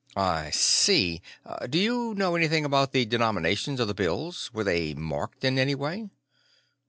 "I see. Do you know anything about the denominations of the bills? Were they marked in any way?"